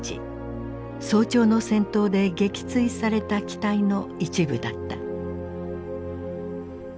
早朝の戦闘で撃墜された機体の一部だった。